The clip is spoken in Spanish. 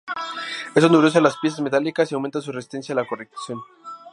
Esto endurece las piezas metálicas y aumenta su resistencia a la corrosión.